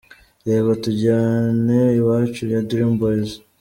Reba ’Tujyane iwacu’ ya Dream Boyz.